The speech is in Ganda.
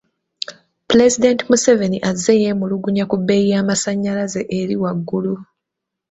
Pulezidenti Museveni azze yeemulugunya ku bbeeyi y’amasannyalaze eri waggulu.